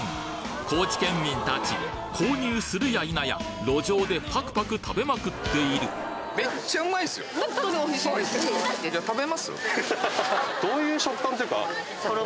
高知県民たち購入するや否や路上でパクパク食べまくっているここで気になるを拝見